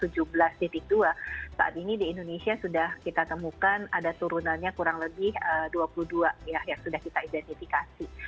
jadi enam belas tujuh belas dua saat ini di indonesia sudah kita temukan ada turunannya kurang lebih dua puluh dua ya yang sudah kita identifikasi